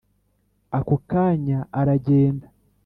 ako kanya aragenda….